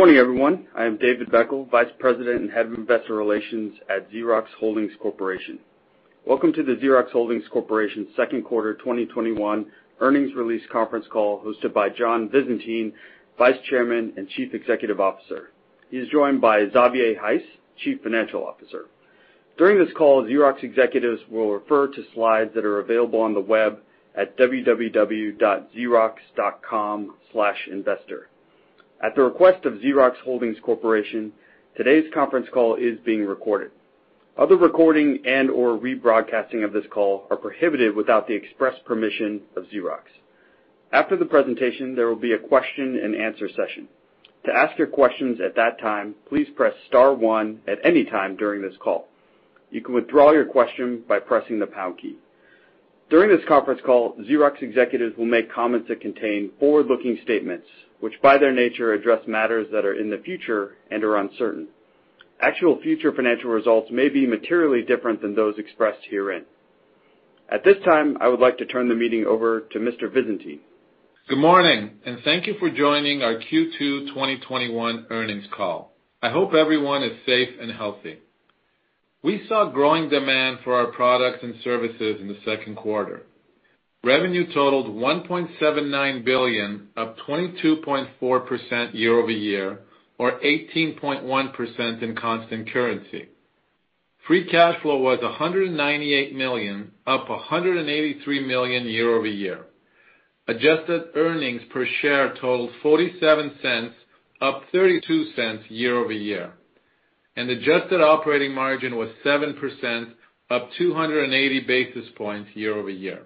Morning, everyone. I am David Beckel, Vice President and Head of Investor Relations at Xerox Holdings Corporation. Welcome to the Xerox Holdings Corporation second quarter 2021 earnings release conference call hosted by John Visentin, Vice Chairman and Chief Executive Officer. He is joined by Xavier Heiss, Chief Financial Officer. During this call, Xerox executives will refer to slides that are available on the web at www.xerox.com/investor. At the request of Xerox Holdings Corporation, today's conference call is being recorded. Other recording and/or rebroadcasting of this call are prohibited without the express permission of Xerox. After the presentation, there will be a question and answer session. To ask your questions at that time, please press star one at any time during this call. You can withdraw your question by pressing the pound key. During this conference call, Xerox executives will make comments that contain forward-looking statements, which, by their nature, address matters that are in the future and are uncertain. Actual future financial results may be materially different than those expressed herein. At this time, I would like to turn the meeting over to Mr. Visentin. Good morning, thank you for joining our Q2 2021 earnings call. I hope everyone is safe and healthy. We saw growing demand for our products and services in the second quarter. Revenue totaled $1.79 billion, up 22.4% year-over-year, or 18.1% in constant currency. Free cash flow was $198 million, up $183 million year-over-year. Adjusted earnings per share totaled $0.47, up $0.32 year-over-year, and adjusted operating margin was 7%, up 280 basis points year-over-year.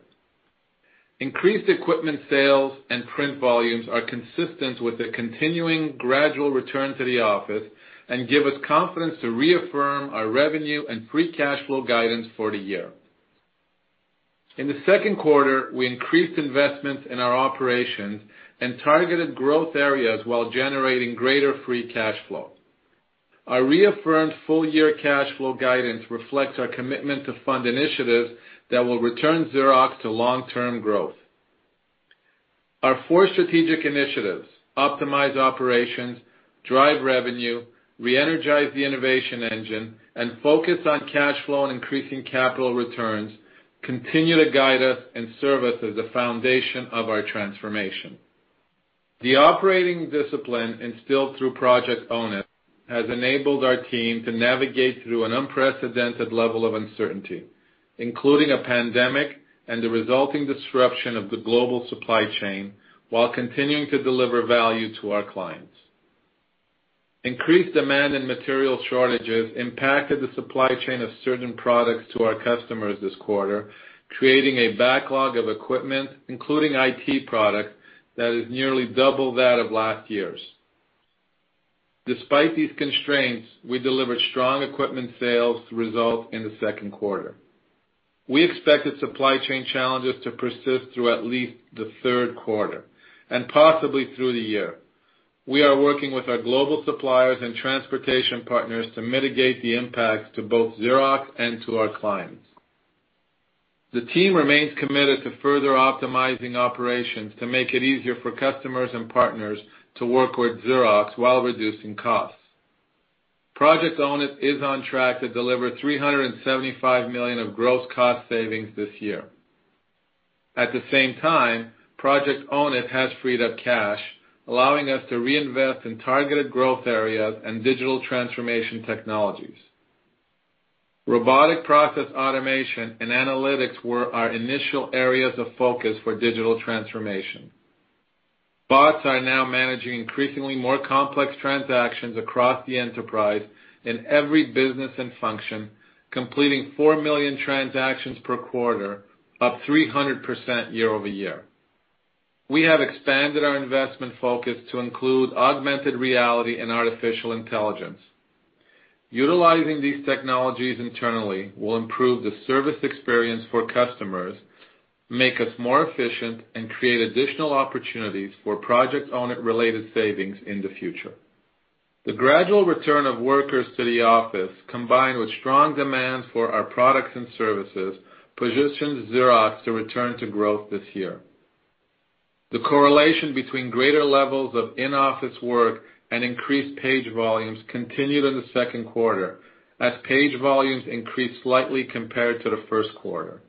Increased equipment sales and print volumes are consistent with the continuing gradual return to the office and give us confidence to reaffirm our revenue and free cash flow guidance for the year. In the second quarter, we increased investments in our operations and targeted growth areas while generating greater free cash flow. Our reaffirmed full-year cash flow guidance reflects our commitment to fund initiatives that will return Xerox to long-term growth. Our four strategic initiatives, optimize operations, drive revenue, reenergize the innovation engine, and focus on cash flow and increasing capital returns, continue to guide us and serve us as a foundation of our transformation. The operating discipline instilled through Project Own It has enabled our team to navigate through an unprecedented level of uncertainty, including a pandemic and the resulting disruption of the global supply chain, while continuing to deliver value to our clients. Increased demand and material shortages impacted the supply chain of certain products to our customers this quarter, creating a backlog of equipment, including IT product, that is nearly 2x that of last year's. Despite these constraints, we delivered strong equipment sales results in the second quarter. We expected supply chain challenges to persist through at least the third quarter, and possibly through the year. We are working with our global suppliers and transportation partners to mitigate the impact to both Xerox and to our clients. The team remains committed to further optimizing operations to make it easier for customers and partners to work with Xerox while reducing costs. Project Own It is on track to deliver $375 million of gross cost savings this year. At the same time, Project Own It has freed up cash, allowing us to reinvest in targeted growth areas and digital transformation technologies. Robotic process automation and analytics were our initial areas of focus for digital transformation. Bots are now managing increasingly more complex transactions across the enterprise in every business and function, completing 4 million transactions per quarter, up 300% year-over-year. We have expanded our investment focus to include augmented reality and artificial intelligence. Utilizing these technologies internally will improve the service experience for customers, make us more efficient, and create additional opportunities for Project Own It-related savings in the future. The gradual return of workers to the office, combined with strong demand for our products and services, positions Xerox to return to growth this year. The correlation between greater levels of in-office work and increased page volumes continued in the second quarter as page volumes increased slightly compared to the first quarter.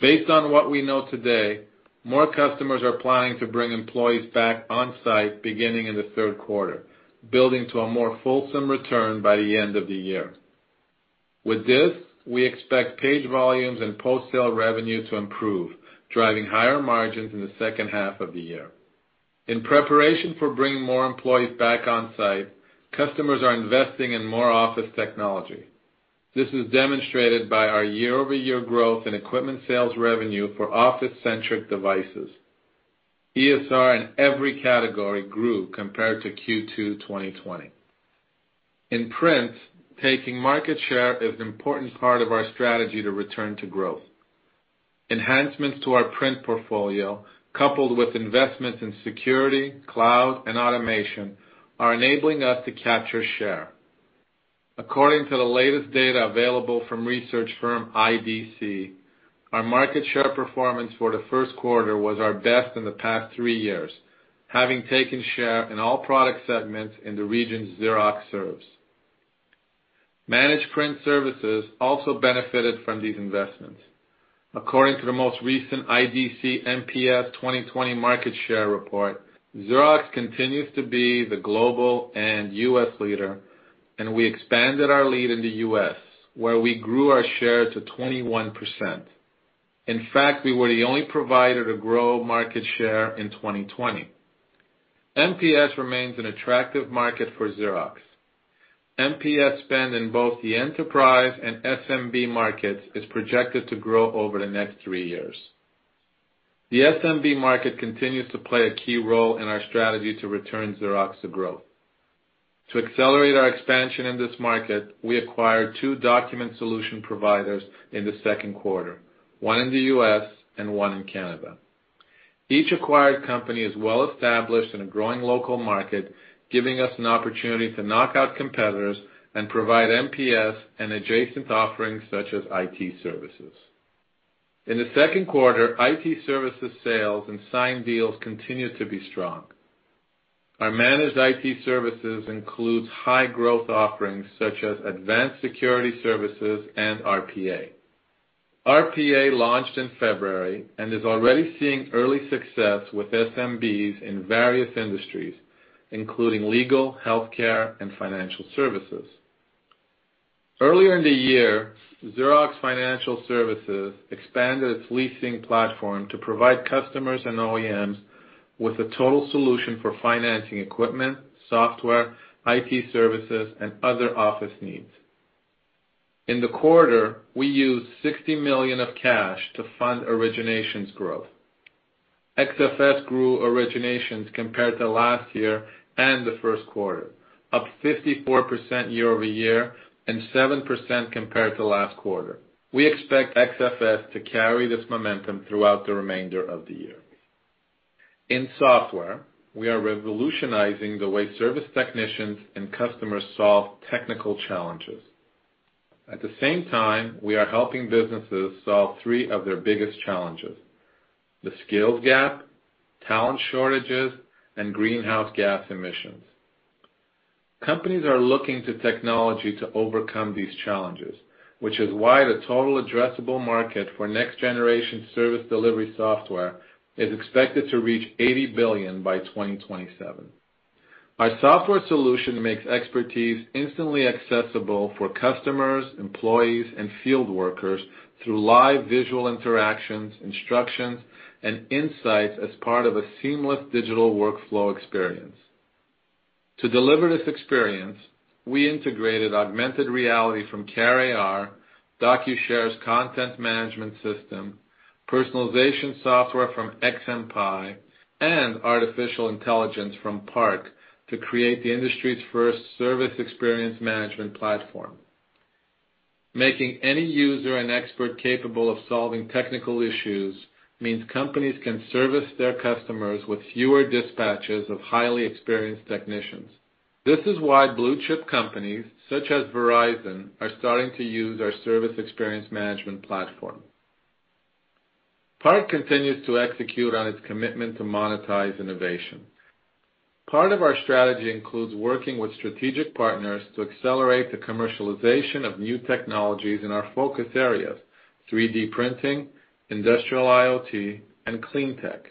Based on what we know today, more customers are planning to bring employees back on-site beginning in the third quarter, building to a more fulsome return by the end of the year. With this, we expect page volumes and post-sale revenue to improve, driving higher margins in the second half of the year. In preparation for bringing more employees back on-site, customers are investing in more office technology. This is demonstrated by our year-over-year growth in equipment sales revenue for office-centric devices. ESR in every category grew compared to Q2 2020. In print, taking market share is an important part of our strategy to return to growth. Enhancements to our print portfolio, coupled with investments in security, cloud, and automation, are enabling us to capture share. According to the latest data available from research firm IDC, our market share performance for the first quarter was our best in the past three years, having taken share in all product segments in the regions Xerox serves. Managed print services also benefited from these investments. According to the most recent IDC MPS 2020 market share report, Xerox continues to be the global and U.S. leader, and we expanded our lead in the U.S., where we grew our share to 21%. In fact, we were the only provider to grow market share in 2020. MPS remains an attractive market for Xerox. MPS spend in both the enterprise and SMB markets is projected to grow over the next three years. The SMB market continues to play a key role in our strategy to return Xerox to growth. To accelerate our expansion in this market, we acquired two document solution providers in the second quarter, one in the U.S. and one in Canada. Each acquired company is well established in a growing local market, giving us an opportunity to knock out competitors and provide MPS and adjacent offerings such as IT services. In the second quarter, IT services sales and signed deals continued to be strong. Our managed IT services includes high growth offerings such as advanced security services and RPA. RPA launched in February and is already seeing early success with SMBs in various industries, including legal, healthcare, and financial services. Earlier in the year, Xerox Financial Services expanded its leasing platform to provide customers and OEMs with a total solution for financing equipment, software, IT services, and other office needs. In the quarter, we used $60 million of cash to fund originations growth. XFS grew originations compared to last year and the first quarter, up 54% year-over-year and 7% compared to last quarter. We expect XFS to carry this momentum throughout the remainder of the year. In software, we are revolutionizing the way service technicians and customers solve technical challenges. At the same time, we are helping businesses solve three of their biggest challenges: the skills gap, talent shortages, and greenhouse gas emissions. Companies are looking to technology to overcome these challenges, which is why the total addressable market for next-generation service delivery software is expected to reach $80 billion by 2027. Our software solution makes expertise instantly accessible for customers, employees, and field workers through live visual interactions, instructions, and insights as part of a seamless digital workflow experience. To deliver this experience, we integrated augmented reality from CareAR, DocuShare's content management system, personalization software from XMPie, and artificial intelligence from PARC to create the industry's first Service Experience Management platform. Making any user an expert capable of solving technical issues means companies can service their customers with fewer dispatches of highly experienced technicians. This is why blue-chip companies, such as Verizon, are starting to use our Service Experience Management platform. PARC continues to execute on its commitment to monetize innovation. Part of our strategy includes working with strategic partners to accelerate the commercialization of new technologies in our focus areas, 3D printing, industrial IoT, and clean tech.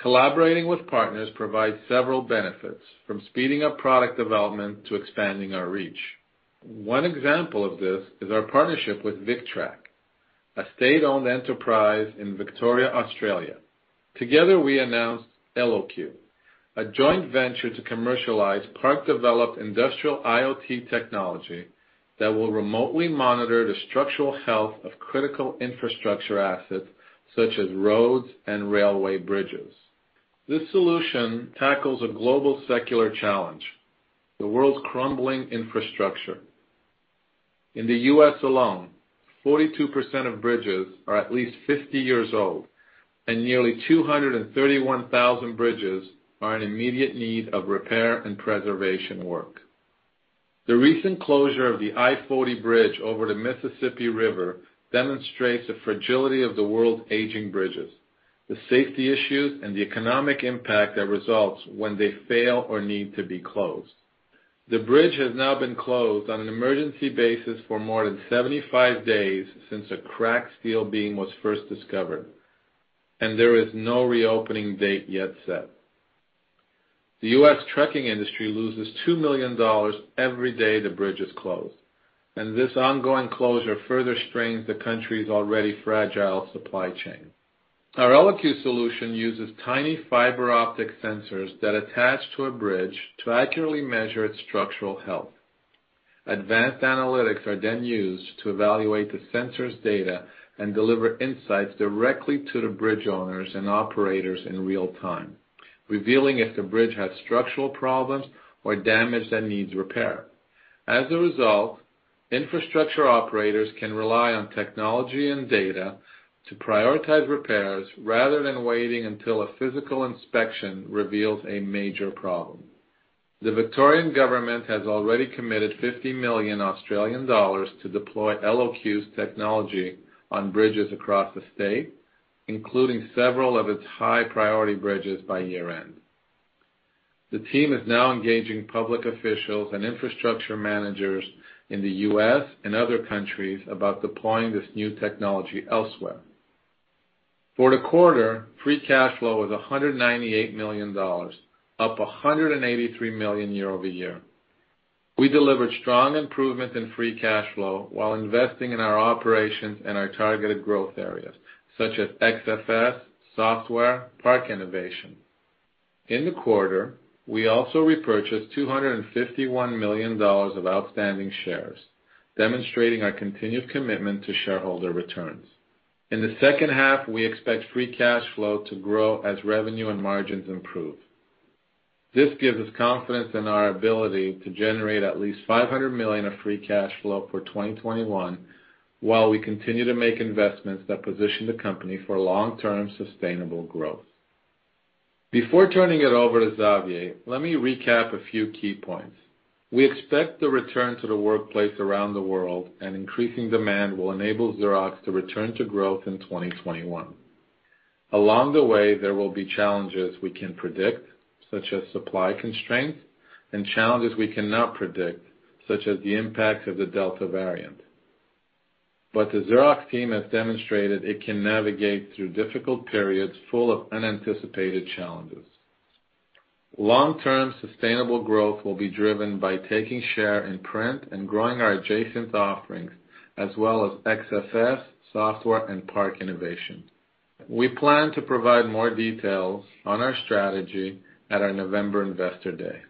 Collaborating with partners provides several benefits, from speeding up product development to expanding our reach. One example of this is our partnership with VicTrack, a state-owned enterprise in Victoria, Australia. Together, we announced Eloque, a joint venture to commercialize PARC-developed industrial IoT technology that will remotely monitor the structural health of critical infrastructure assets such as roads and railway bridges. This solution tackles a global secular challenge, the world's crumbling infrastructure. In the U.S. alone, 42% of bridges are at least 50 years old, and nearly 231,000 bridges are in immediate need of repair and preservation work. The recent closure of the I-40 bridge over the Mississippi River demonstrates the fragility of the world's aging bridges, the safety issues, and the economic impact that results when they fail or need to be closed. The bridge has now been closed on an emergency basis for more than 75 days since a cracked steel beam was first discovered, and there is no reopening date yet set. The U.S. trucking industry loses $2 million every day the bridge is closed, and this ongoing closure further strains the country's already fragile supply chain. Our Eloque solution uses tiny fiber optic sensors that attach to a bridge to accurately measure its structural health. Advanced analytics are then used to evaluate the sensor's data and deliver insights directly to the bridge owners and operators in real time, revealing if the bridge has structural problems or damage that needs repair. As a result, infrastructure operators can rely on technology and data to prioritize repairs rather than waiting until a physical inspection reveals a major problem. The Victorian Government has already committed 50 million Australian dollars to deploy Eloque's technology on bridges across the state, including several of its high-priority bridges by year-end. The team is now engaging public officials and infrastructure managers in the U.S. and other countries about deploying this new technology elsewhere. For the quarter, free cash flow was $198 million, up $183 million year-over-year. We delivered strong improvements in free cash flow while investing in our operations and our targeted growth areas such as XFS, software, PARC innovation. In the quarter, we also repurchased $251 million of outstanding shares, demonstrating our continued commitment to shareholder returns. In the second half, we expect free cash flow to grow as revenue and margins improve. This gives us confidence in our ability to generate at least $500 million of free cash flow for 2021, while we continue to make investments that position the company for long-term sustainable growth. Before turning it over to Xavier, let me recap a few key points. We expect the return to the workplace around the world, and increasing demand will enable Xerox to return to growth in 2021. Along the way, there will be challenges we can predict, such as supply constraints, and challenges we cannot predict, such as the impact of the Delta variant. The Xerox team has demonstrated it can navigate through difficult periods full of unanticipated challenges. Long-term sustainable growth will be driven by taking share in print and growing our adjacent offerings, as well as XFS, software, and PARC innovation. We plan to provide more details on our strategy at our November investor day.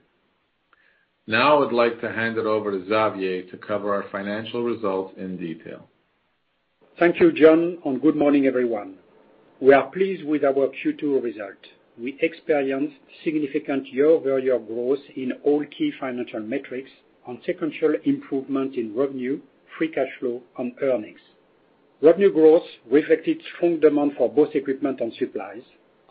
I would like to hand it over to Xavier to cover our financial results in detail. Thank you, John. Good morning, everyone. We are pleased with our Q2 result. We experienced significant year-over-year growth in all key financial metrics on sequential improvement in revenue, free cash flow, and earnings. Revenue growth reflected strong demand for both equipment and supplies,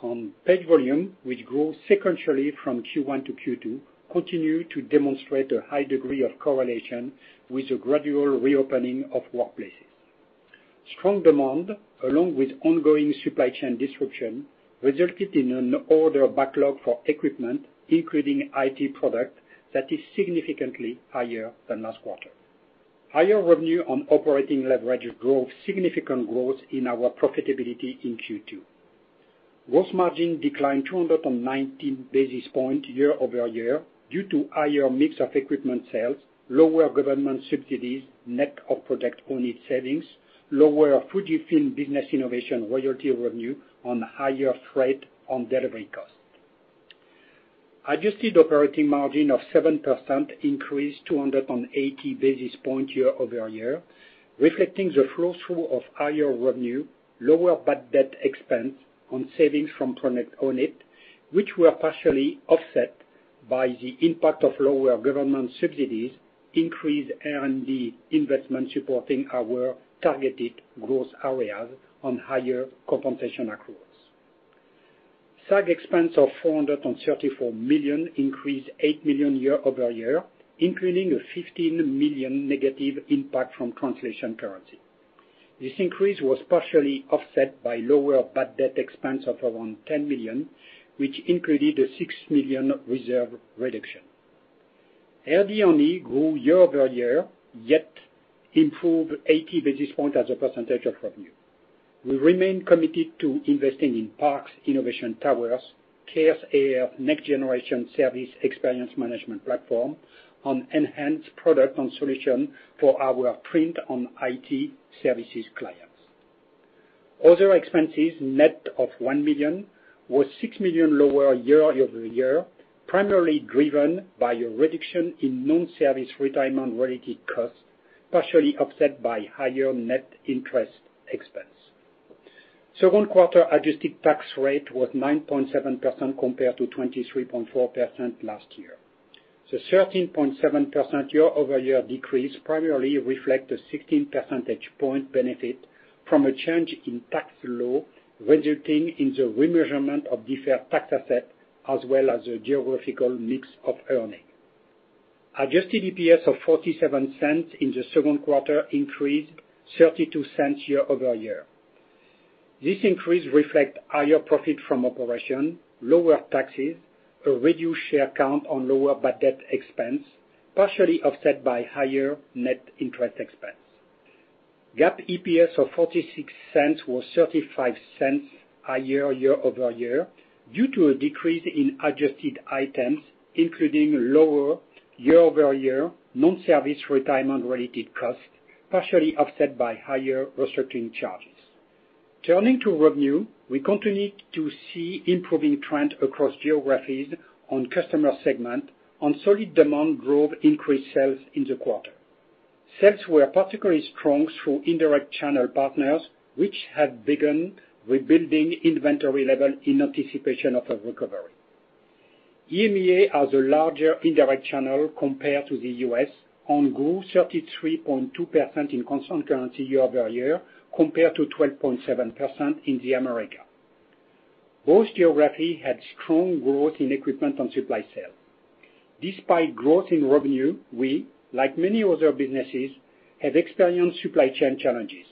and page volume, which grew sequentially from Q1-Q2, continue to demonstrate a high degree of correlation with the gradual reopening of workplaces. Strong demand, along with ongoing supply chain disruption, resulted in an order backlog for equipment, including IT product, that is significantly higher than last quarter. Higher revenue and operating leverage drove significant growth in our profitability in Q2. Gross margin declined 219 basis points year-over-year due to higher mix of equipment sales, lower government subsidies, net of Project Own It savings, lower FUJIFILM Business Innovation royalty revenue, and higher freight and delivery costs. Adjusted operating margin of 7% increased 280 basis points year-over-year, reflecting the flow-through of higher revenue, lower bad debt expense, and savings from Project Own It, which were partially offset by the impact of lower government subsidies, increased R&D investment supporting our targeted growth areas, and higher compensation accruals. SAG expense of $434 million increased $8 million year-over-year, including a $15 million negative impact from translation currency. This increase was partially offset by lower bad debt expense of around $10 million, which included a $6 million reserve reduction. RD&E grew year-over-year, yet improved 80 basis points as a % of revenue. We remain committed to investing in PARC innovation, CareAR next-generation Service Experience Management platform, and enhanced product and solution for our print and IT services clients. Other expenses net of $1 million were $6 million lower year-over-year, primarily driven by a reduction in non-service retirement-related costs, partially offset by higher net interest expense. second quarter adjusted tax rate was 9.7% compared to 23.4% last year. The 13.7% year-over-year decrease primarily reflect a 16 percentage point benefit from a change in tax law, resulting in the remeasurement of deferred tax asset, as well as the geographical mix of earning. Adjusted EPS of $0.47 in the second quarter increased $0.32 year-over-year. This increase reflects higher profit from operation, lower taxes, a reduced share count on lower bad debt expense, partially offset by higher net interest expense. GAAP EPS of $0.46 was $0.35 higher year-over-year due to a decrease in adjusted items, including lower year-over-year non-service retirement-related costs, partially offset by higher restructuring charges. Turning to revenue, we continue to see improving trend across geographies and customer segment, and solid demand drove increased sales in the quarter. Sales were particularly strong through indirect channel partners, which have begun rebuilding inventory level in anticipation of a recovery. EMEA has a larger indirect channel compared to the U.S. and grew 33.2% in constant currency year-over-year, compared to 12.7% in the Americas. Both geography had strong growth in equipment and supply sales. Despite growth in revenue, we, like many other businesses, have experienced supply chain challenges.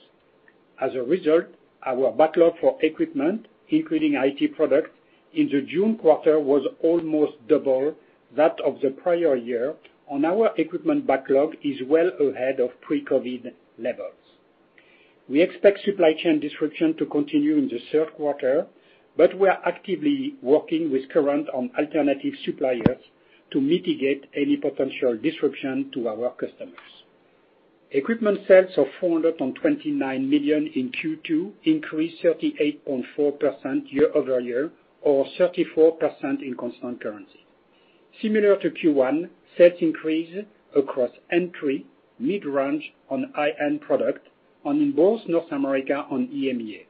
As a result, our backlog for equipment, including IT product, in the June quarter was almost double that of the prior year, and our equipment backlog is well ahead of pre-COVID levels. We expect supply chain disruption to continue in the third quarter, but we are actively working with current and alternative suppliers to mitigate any potential disruption to our customers. Equipment sales of $429 million in Q2 increased 38.4% year-over-year, or 34% in constant currency. Similar to Q1, sales increased across entry, mid-range, and high-end product, and in both North America and EMEA.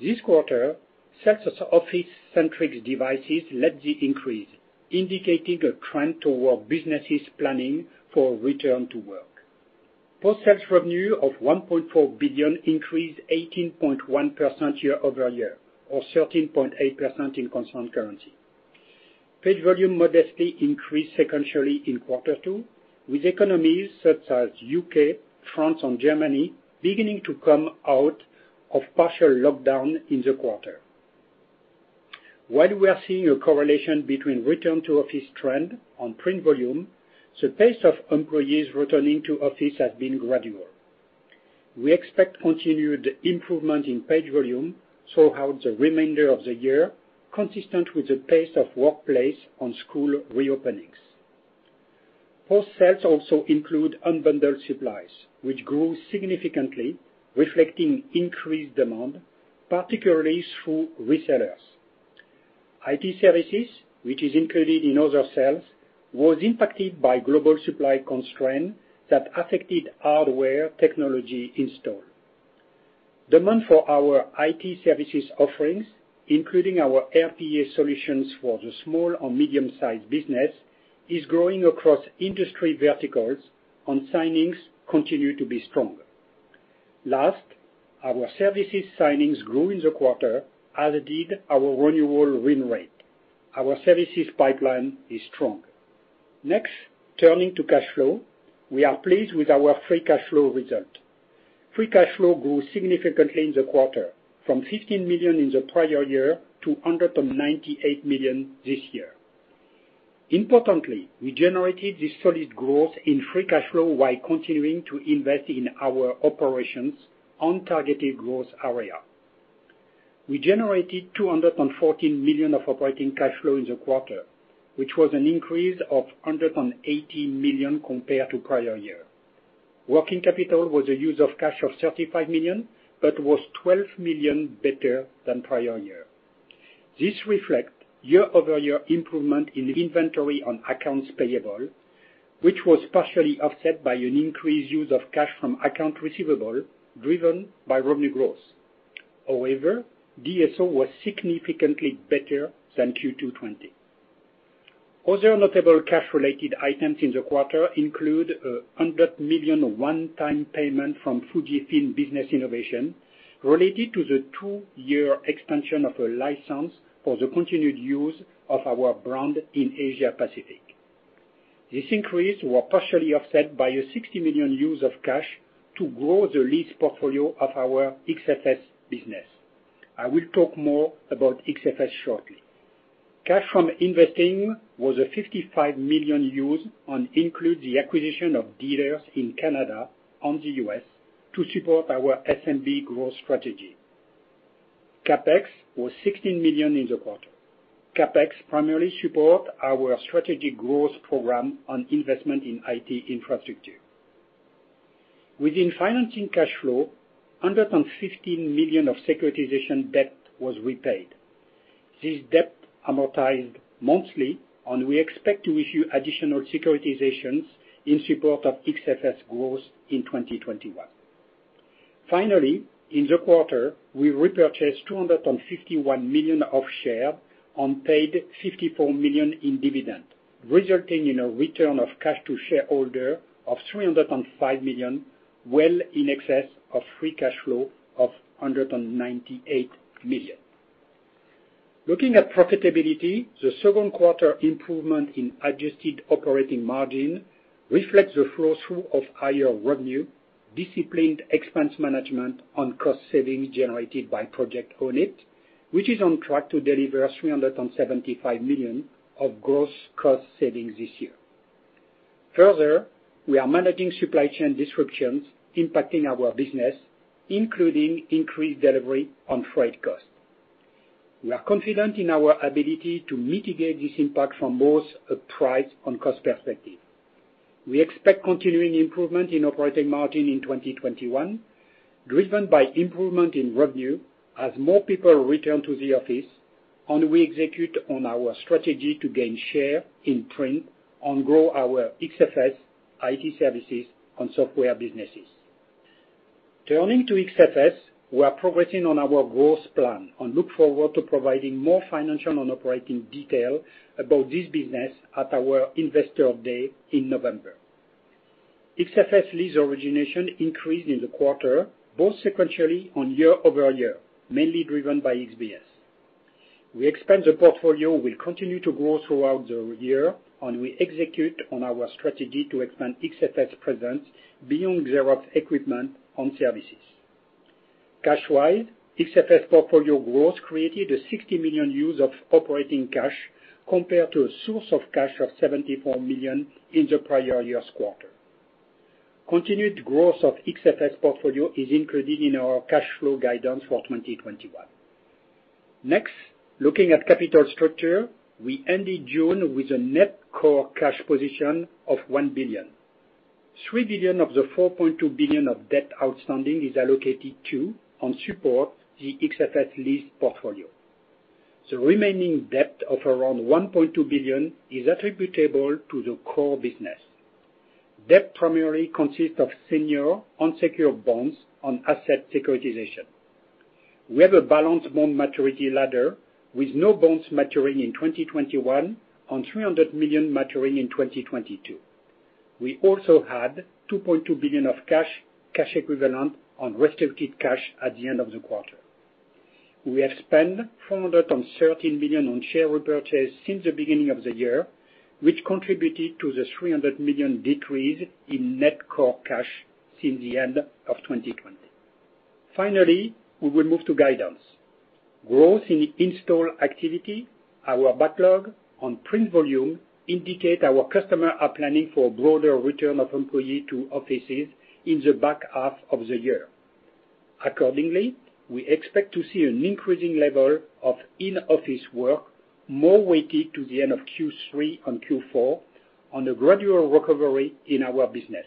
This quarter, sales of office-centric devices led the increase, indicating a trend toward businesses planning for a return to work. Post-sale revenue of $1.4 billion increased 18.1% year-over-year, or 13.8% in constant currency. Page volume modestly increased sequentially in quarter two, with economies such as U.K., France, and Germany beginning to come out of partial lockdown in the quarter. While we are seeing a correlation between return to office trend and print volume, the pace of employees returning to office has been gradual. We expect continued improvement in page volume throughout the remainder of the year, consistent with the pace of workplace and school reopenings. post-sale also include unbundled supplies, which grew significantly, reflecting increased demand, particularly through resellers. IT services, which is included in other sales, was impacted by global supply constraints that affected hardware technology install. Demand for our IT services offerings, including our RPA solutions for the SMB, is growing across industry verticals, and signings continue to be strong. Our services signings grew in the quarter, as did our renewal win rate. Our services pipeline is strong. Turning to cash flow. We are pleased with our free cash flow result. Free cash flow grew significantly in the quarter, from $15 million in the prior year to $198 million this year. Importantly, we generated this solid growth in free cash flow while continuing to invest in our operations on targeted growth area. We generated $214 million of operating cash flow in the quarter, which was an increase of $118 million compared to prior year. Working capital was a use of cash of $35 million, was $12 million better than prior year. This reflects year-over-year improvement in inventory and accounts payable, which was partially offset by an increased use of cash from accounts receivable, driven by revenue growth. DSO was significantly better than Q2 2020. Other notable cash-related items in the quarter include a $100 million one-time payment from FUJIFILM Business Innovation related to the two-year extension of a license for the continued use of our brand in Asia Pacific. This increase was partially offset by a $60 million use of cash to grow the lease portfolio of our XFS business. I will talk more about XFS shortly. Cash from investing was a $55 million use and includes the acquisition of dealers in Canada and the U.S. to support our SMB growth strategy. CapEx was $16 million in the quarter. CapEx primarily support our strategic growth program on investment in IT infrastructure. Within financing cash flow, $115 million of securitization debt was repaid. This debt amortized monthly, and we expect to issue additional securitizations in support of XFS growth in 2021. Finally, in the quarter, we repurchased $251 million of share and paid $54 million in dividend, resulting in a return of cash to shareholder of $305 million, well in excess of free cash flow of $198 million. Looking at profitability, the second quarter improvement in adjusted operating margin reflects the flow-through of higher revenue, disciplined expense management, and cost savings generated by Project Own It, which is on track to deliver $375 million of gross cost savings this year. Further, we are managing supply chain disruptions impacting our business, including increased delivery on freight cost. We are confident in our ability to mitigate this impact from both a price and cost perspective. We expect continuing improvement in operating margin in 2021, driven by improvement in revenue as more people return to the office and we execute on our strategy to gain share in print and grow our XFS, IT services, and software businesses. Turning to XFS, we are progressing on our growth plan and look forward to providing more financial and operating detail about this business at our investor day in November. XFS lease origination increased in the quarter, both sequentially and year-over-year, mainly driven by XBS. We expect the portfolio will continue to grow throughout the year, and we execute on our strategy to expand XFS presence beyond Xerox equipment and services. Cash-wise, XFS portfolio growth created a $60 million use of operating cash compared to a source of cash of $74 million in the prior year's quarter. Continued growth of XFS portfolio is included in our cash flow guidance for 2021. Next, looking at capital structure, we ended June with a net core cash position of $1 billion. $3 billion of the $4.2 billion of debt outstanding is allocated to and supports the XFS lease portfolio. The remaining debt of around $1.2 billion is attributable to the core business. Debt primarily consists of senior unsecured bonds and asset securitization. We have a balanced bond maturity ladder with no bonds maturing in 2021 and $300 million maturing in 2022. We also had $2.2 billion of cash equivalent, and restricted cash at the end of the quarter. We have spent $413 million on share repurchase since the beginning of the year, which contributed to the $300 million decrease in net core cash since the end of 2020. Finally, we will move to guidance. Growth in install activity, our backlog on print volume indicate our customers are planning for a broader return of employees to offices in the back half of the year. Accordingly, we expect to see an increasing level of in-office work more weighted to the end of Q3 and Q4 on a gradual recovery in our business.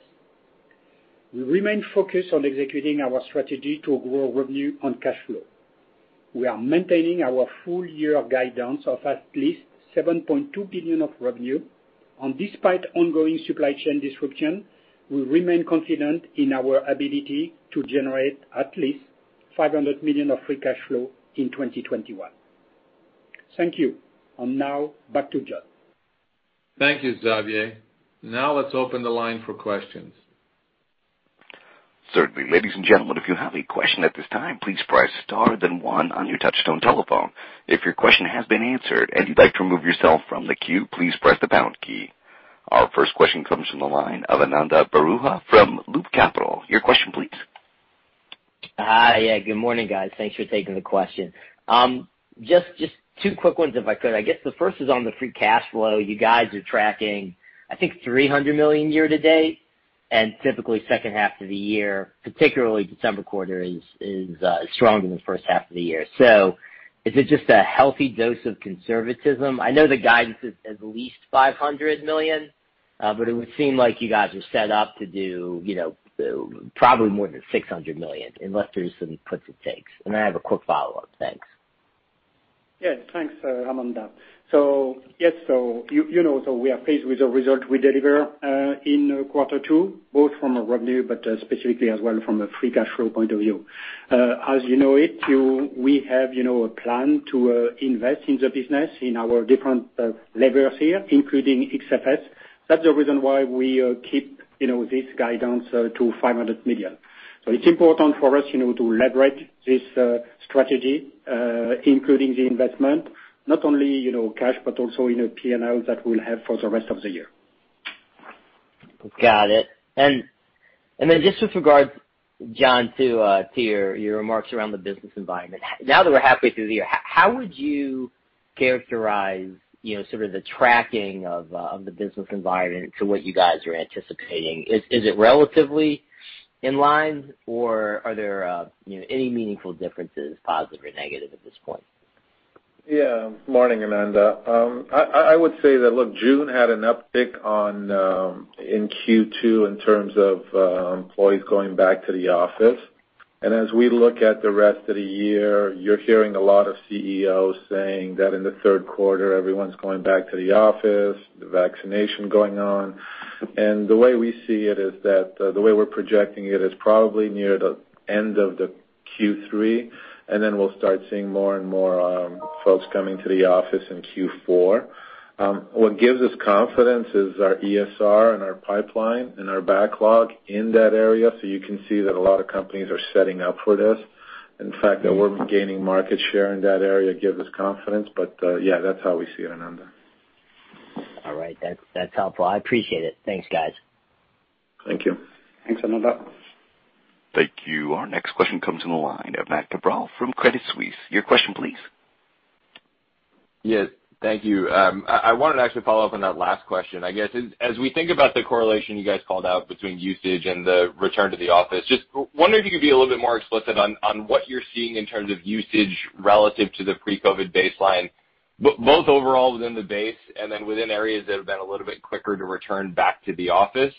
We remain focused on executing our strategy to grow revenue and cash flow. We are maintaining our full year guidance of at least $7.2 billion of revenue. Despite ongoing supply chain disruption, we remain confident in our ability to generate at least $500 million of free cash flow in 2021. Thank you, and now back to John. Thank you, Xavier. Now let's open the line for questions. Certainly. Ladies and gentlemen, if you have a question at this time, please press star then one on your touch-tone telephone. If your question has been answered and you'd like to remove yourself from the queue, please press the pound key. Our first question comes from the line of Ananda Baruah from Loop Capital. Your question please. Hi. Yeah, good morning, guys. Thanks for taking the question. Just two quick ones if I could. I guess the first is on the free cash flow. You guys are tracking, I think, $300 million year-to-date. Typically second half of the year, particularly December quarter, is stronger than the first half of the year. Is it just a healthy dose of conservatism? I know the guidance is at least $500 million, it would seem like you guys are set up to do probably more than $600 million unless there's some puts and takes. I have a quick follow-up. Thanks. Yeah. Thanks, Ananda. Yes, you know, we are pleased with the result we deliver in quarter two, both from a revenue but specifically as well from a free cash flow point of view. As you know it, we have a plan to invest in the business in our different levers here, including XFS. That's the reason why we keep this guidance to $500 million. It's important for us to leverage this strategy, including the investment, not only cash, but also in P&L that we'll have for the rest of the year. Got it. Just with regard, John, to your remarks around the business environment. Now that we're halfway through the year, how would you characterize sort of the tracking of the business environment to what you guys are anticipating? Is it relatively in line, or are there any meaningful differences, positive or negative at this point? Morning, Ananda. I would say that, look, June had an uptick in Q2 in terms of employees going back to the office. As we look at the rest of the year, you're hearing a lot of CEOs saying that in the third quarter, everyone's going back to the office, the vaccination going on. The way we see it is that the way we're projecting it is probably near the end of the Q3, then we'll start seeing more and more folks coming to the office in Q4. What gives us confidence is our ESR and our pipeline and our backlog in that area, so you can see that a lot of companies are setting up for this. In fact, that we're gaining market share in that area gives us confidence. Yeah, that's how we see it, Ananda. All right. That's helpful. I appreciate it. Thanks, guys. Thank you. Thanks, Ananda. Thank you. Our next question comes from the line of Matt Cabral from Credit Suisse. Your question please. Yes. Thank you. I wanted to actually follow up on that last question. I guess, as we think about the correlation you guys called out between usage and the return to the office, just wonder if you could be a little bit more explicit on what you're seeing in terms of usage relative to the pre-COVID baseline, both overall within the base and then within areas that have been a little bit quicker to return back to the office.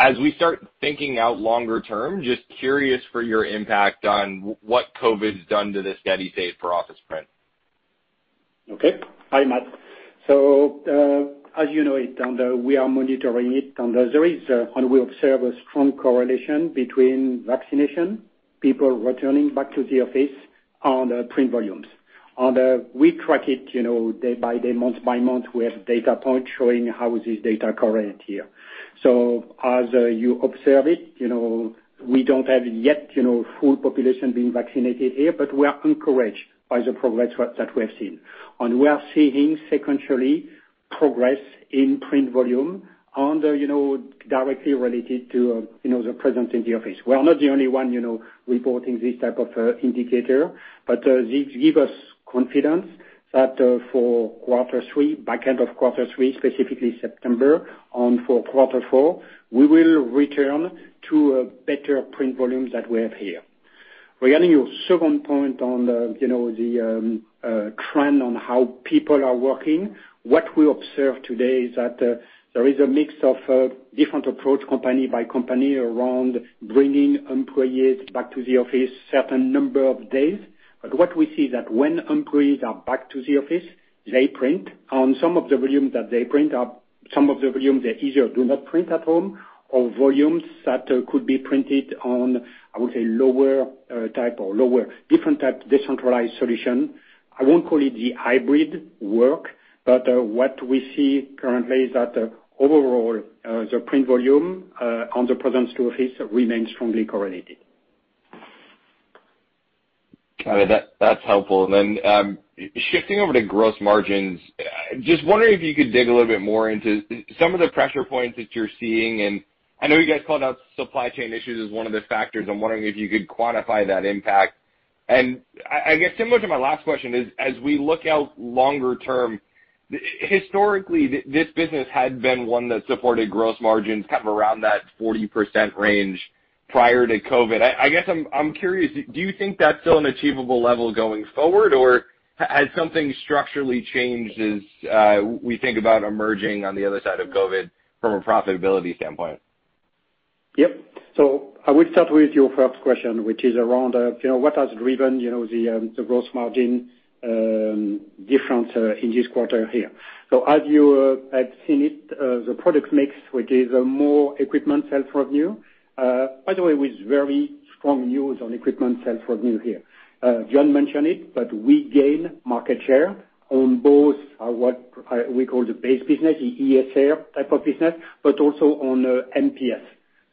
As we start thinking out longer-term, just curious for your impact on what COVID's done to the steady state for office print. Hi, Matt. As you know it, we are monitoring it, and we observe a strong correlation between vaccination, people returning back to the office, and print volumes. We track it day by day, month by month. We have data points showing how is this data current here. As you observe it, we don't have it yet, full population being vaccinated here. We are encouraged by the progress that we have seen. We are seeing sequentially progress in print volume directly related to the presence in the office. We are not the only one reporting this type of indicator, but this give us confidence that for backend of quarter three, specifically September, and for quarter four, we will return to a better print volume that we have here. Regarding your second point on the trend on how people are working, what we observe today is that there is a mix of different approach, company by company, around bringing employees back to the office certain number of days. What we see that when employees are back to the office, they print, and some of the volumes they either do not print at home or volumes that could be printed on, I would say, lower type or different type decentralized solution. I won't call it the hybrid work, what we see currently is that overall, the print volume and the presence to office remains strongly correlated. Got it. That's helpful. Shifting over to gross margins, just wondering if you could dig a little bit more into some of the pressure points that you're seeing. I know you guys called out supply chain issues as one of the factors. I'm wondering if you could quantify that impact. I guess similar to my last question is, as we look out longer-term, historically, this business had been one that supported gross margins kind of around that 40% range prior to COVID. I guess I'm curious, do you think that's still an achievable level going forward? Has something structurally changed as we think about emerging on the other side of COVID from a profitability standpoint? Yep. I will start with your first question, which is around what has driven the gross margin difference in this quarter here. As you have seen it, the product mix, which is more equipment sales revenue, by the way, with very strong news on equipment sales revenue here. John mentioned it, but we gain market share on both what we call the base business, the ESR type of business, but also on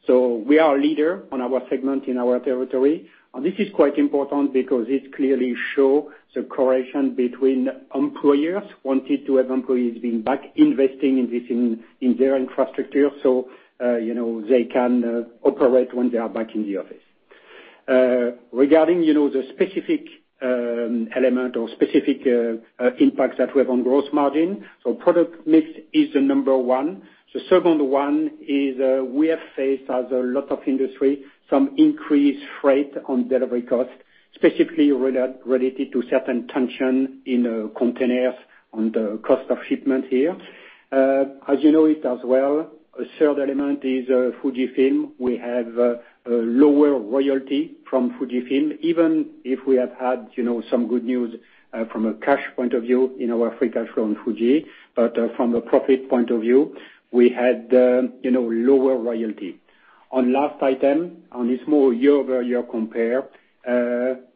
MPS. We are a leader on our segment in our territory. This is quite important because it clearly show the correlation between employers wanting to have employees being back investing in their infrastructure so they can operate when they are back in the office. Regarding the specific element or specific impacts that we have on gross margin, so product mix is the number one. The second one is we have faced, as a lot of industry, some increased freight on delivery cost, specifically related to certain tension in containers on the cost of shipment here. As you know it as well, a third element is FUJIFILM. We have a lower royalty from FUJIFILM, even if we have had some good news from a cash point of view in our free cash flow on Fuji. From the profit point of view, we had lower royalty. Last item, on a small year-over-year compare,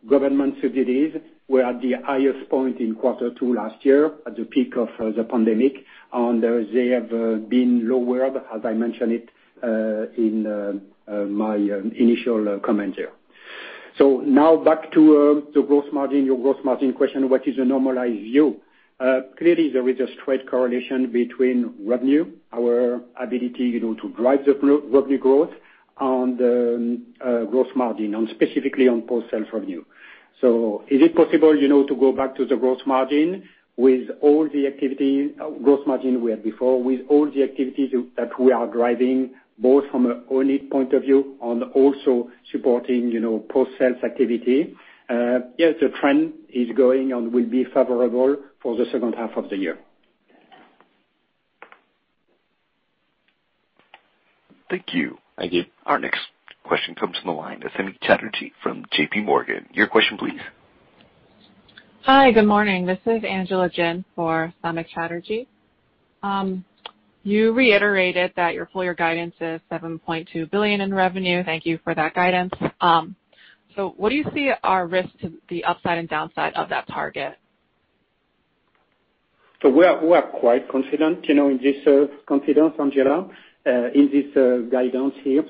government subsidies were at the highest point in quarter two last year at the peak of the pandemic, they have been lowered, as I mentioned it in my initial comment here. Now back to your gross margin question. What is a normalized view? Clearly, there is a straight correlation between revenue, our ability to drive the revenue growth, and the gross margin, and specifically on post-sale revenue. Is it possible to go back to the gross margin we had before with all the activities that we are driving, both from a only point of view and also supporting post-sale activity? Yeah, the trend is going and will be favorable for the second half of the year. Thank you. Thank you. Our next question comes from the line of Samik Chatterjee from JPMorgan. Your question please. Hi, good morning. This is Angela Jen for Samik Chatterjee. You reiterated that your full-year guidance is $7.2 billion in revenue. Thank you for that guidance. What do you see are risks to the upside and downside of that target? We are quite confident, Angela, in this guidance here.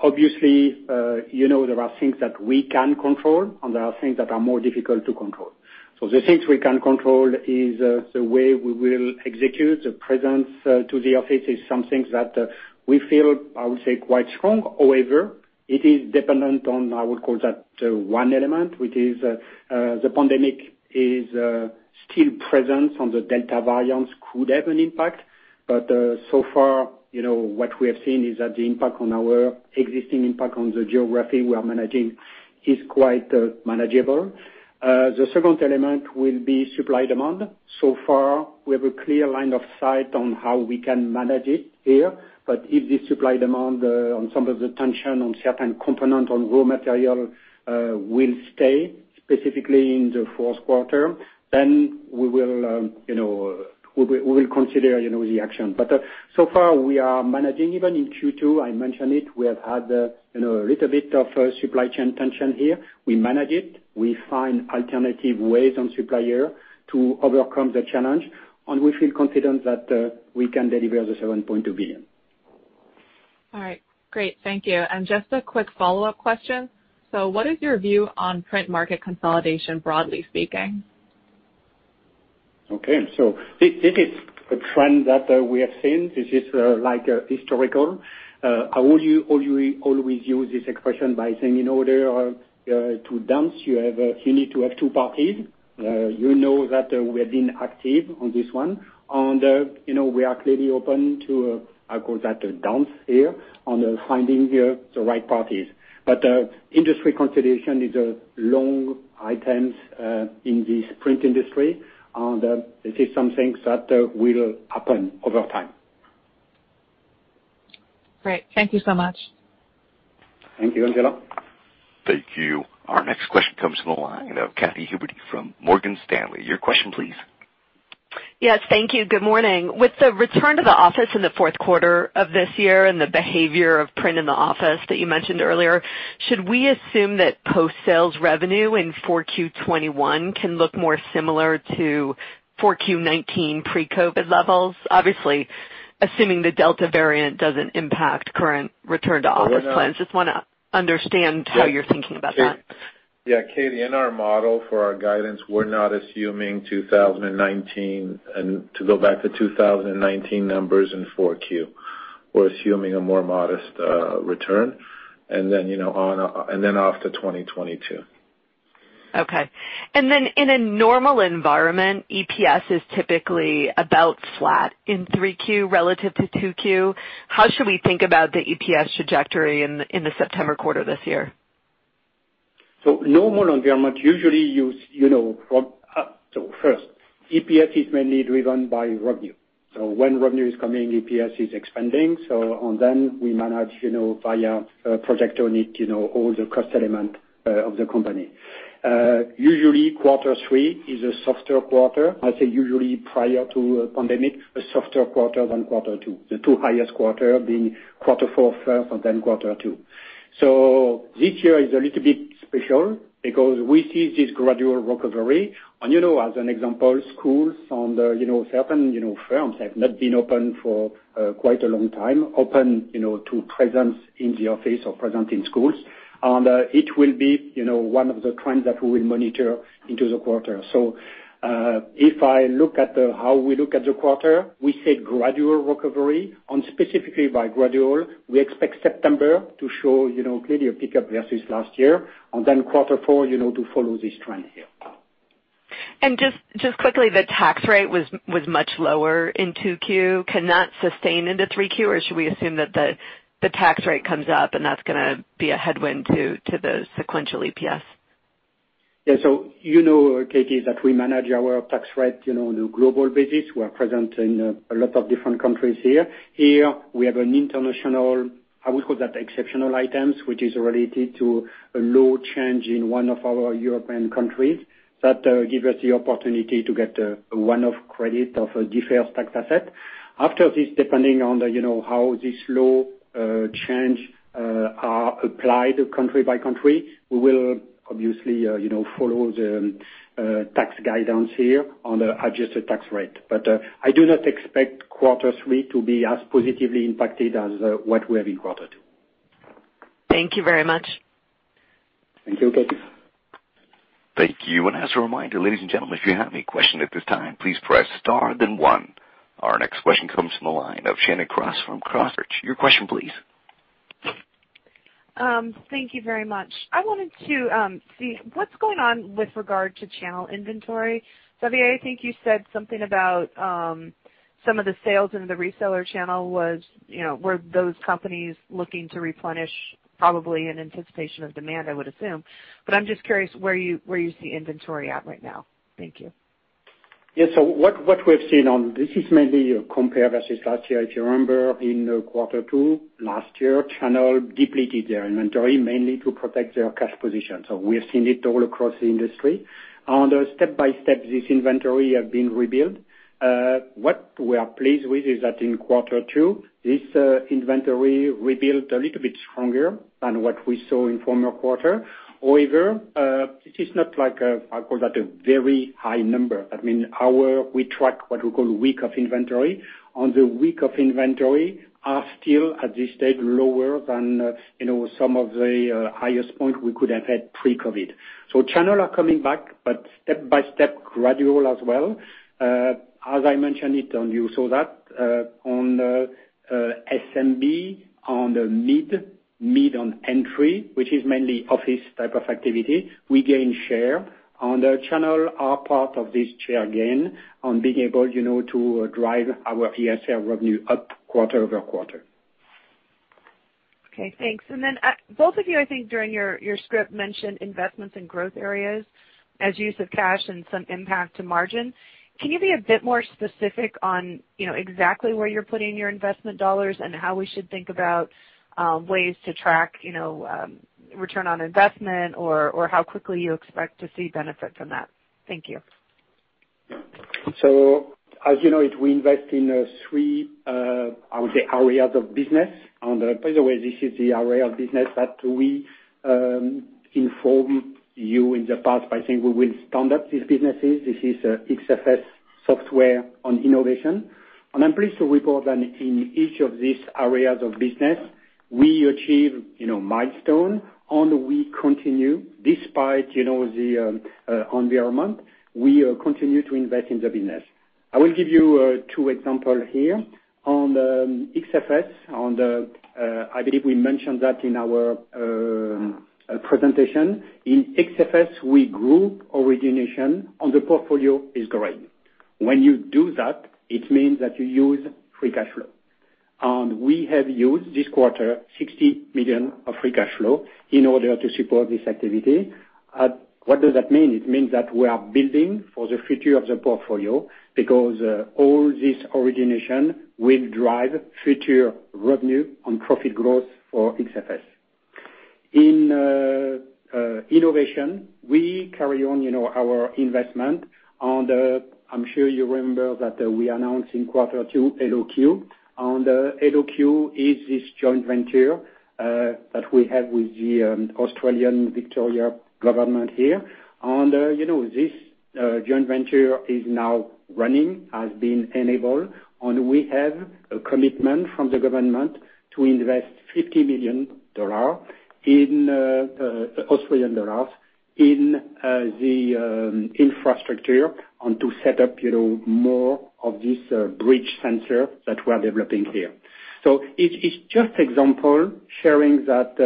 Obviously, there are things that we can control, and there are things that are more difficult to control. The things we can control is the way we will execute. The presence to the office is something that we feel, I would say, quite strong. However, it is dependent on, I would call that one element, which is the pandemic is still present and the Delta variant could have an impact. So far, what we have seen is that the existing impact on the geography we are managing is quite manageable. The second element will be supply-demand. So far, we have a clear line of sight on how we can manage it here, but if the supply-demand on some of the tension on certain component on raw material will stay specifically in the fourth quarter, then we will consider the action. So far, we are managing. Even in Q2, I mentioned it, we have had a little bit of supply chain tension here. We manage it. We find alternative ways on supplier to overcome the challenge, and we feel confident that we can deliver the $7.2 billion. All right, great. Thank you. Just a quick follow-up question. What is your view on print market consolidation, broadly speaking? Okay. This is a trend that we have seen. This is historical. I would always use this expression by saying, in order to dance, you need to have two parties. You know that we have been active on this one, and we are clearly open to, I call that a dance here, on finding the right parties. Industry consolidation is a long item in this print industry, and this is something that will happen over time. Great. Thank you so much. Thank you, Angela. Thank you. Our next question comes from the line of Katy Huberty from Morgan Stanley. Your question, please. Yes, thank you. Good morning. With the return to the office in the fourth quarter of this year and the behavior of print in the office that you mentioned earlier, should we assume that post-sales revenue in 4Q 2021 can look more similar to 4Q 2019 pre-COVID levels? Obviously, assuming the Delta variant doesn't impact current return-to-office plans. Just want to understand how you're thinking about that. Yeah, Katy, in our model for our guidance, we're not assuming 2019, and to go back to 2019 numbers in 4Q. We're assuming a more modest return. Off to 2022. Okay. In a normal environment, EPS is typically about flat in 3Q relative to 2Q. How should we think about the EPS trajectory in the September quarter this year? Normal environment usually first, EPS is mainly driven by revenue. When revenue is coming, EPS is expanding. On, we manage via projected need, all the cost element of the company. Usually, quarter three is a softer quarter. I say usually prior to pandemic, a softer quarter than quarter two, the two highest quarter being quarter four first, quarter two. This year is a little bit special because we see this gradual recovery. As an example, schools and certain firms have not been open for quite a long time, open to presence in the office or present in schools. It will be one of the trends that we will monitor into the quarter. If I look at how we look at the quarter, we said gradual recovery, and specifically by gradual, we expect September to show clearly a pickup versus last year, and then quarter four to follow this trend here. Just quickly, the tax rate was much lower in 2Q. Can that sustain into 3Q, or should we assume that the tax rate comes up and that's gonna be a headwind to the sequential EPS? Yeah, you know, Katy, that we manage our tax rate on a global basis. We're present in a lot of different countries here. We have an international, I would call that exceptional items, which is related to a law change in one of our European countries that give us the opportunity to get a one-off credit of a deferred tax asset. After this, depending on how this law change are applied country by country, we will obviously follow the tax guidance here on the adjusted tax rate. I do not expect quarter three to be as positively impacted as what we have in quarter two. Thank you very much. Thank you, Katy Huberty. Thank you. As a reminder, ladies and gentlemen, if you have any question at this time, please press star then one. Our next question comes from the line of Shannon Cross from Cross Research. Your question, please. Thank you very much. I wanted to see what's going on with regard to channel inventory. Xavier, I think you said something about some of the sales into the reseller channel were those companies looking to replenish probably in anticipation of demand, I would assume. I'm just curious where you see inventory at right now. Thank you. What we've seen on this is mainly a compare versus last year. If you remember in quarter two last year, channel depleted their inventory mainly to protect their cash position. We have seen it all across the industry. Step by step, this inventory has been rebuilt. What we are pleased with is that in quarter two, this inventory rebuilt a little bit stronger than what we saw in former quarter. However, this is not like, I call that a very high number. We track what we call week of inventory. On the week of inventory is still at this stage lower than some of the highest points we could have had pre-COVID. Channel is coming back, step by step, gradual as well. As I mentioned it, and you saw that on SMB, on the mid and entry, which is mainly office type of activity, we gain share, and the channel are part of this share gain on being able to drive our post-sale revenue up quarter-over-quarter. Okay, thanks. Both of you, I think during your script mentioned investments in growth areas as use of cash and some impact to margin. Can you be a bit more specific on exactly where you're putting your investment dollars and how we should think about ways to track return on investment or how quickly you expect to see benefit from that? Thank you. As you know it, we invest in three, I would say, areas of business. By the way, this is the area of business that we informed you in the past by saying we will stand up these businesses. This is XFS, software, and innovation. I'm pleased to report that in each of these areas of business. We achieve milestone, and we continue despite the environment, we continue to invest in the business. I will give you wo example here. On the XFS, I believe we mentioned that in our presentation. In XFS, we gross origination on the portfolio is growing. When you do that, it means that you use free cash flow. We have used this quarter, $60 million of free cash flow in order to support this activity. What does that mean? It means that we are building for the future of the portfolio because all this origination will drive future revenue and profit growth for XFS. In innovation, we carry on our investment. I'm sure you remember that we announced in quarter two, Eloque. The Eloque is this joint venture that we have with the Victorian Government here. This joint venture is now running, has been enabled, and we have a commitment from the government to invest 50 million dollars in the infrastructure and to set up more of this bridge sensor that we are developing here. It's just example sharing that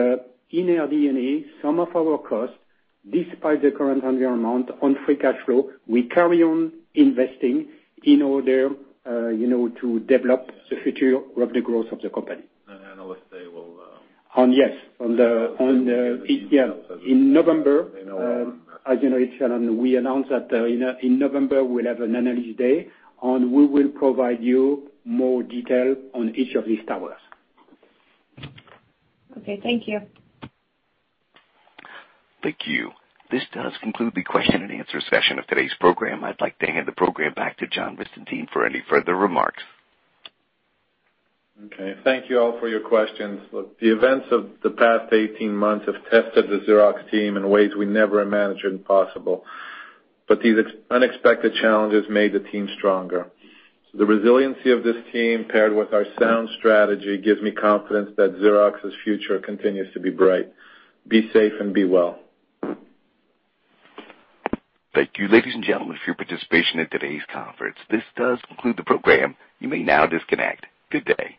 in our RD&E, some of our costs, despite the current environment on free cash flow, we carry on investing in order to develop the future revenue growth of the company. Analyst Day. Yes. In November, as you know, we announced that in November we'll have an analyst day, and we will provide you more detail on each of these towers. Okay. Thank you. Thank you. This does conclude the question and answer session of today's program. I would like to hand the program back to John Visentin for any further remarks. Okay. Thank you all for your questions. Look, the events of the past 18 months have tested the Xerox team in ways we never imagined possible. These unexpected challenges made the team stronger. The resiliency of this team, paired with our sound strategy, gives me confidence that Xerox's future continues to be bright. Be safe and be well. Thank you, ladies and gentlemen, for your participation in today's conference. This does conclude the program. You may now disconnect. Good day.